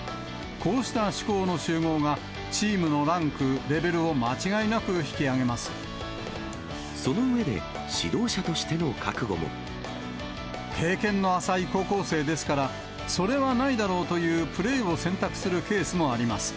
こうした思考の集合が、チームのランク、その上で、指導者としての覚経験の浅い高校生ですから、それはないだろうというプレーを選択するケースもあります。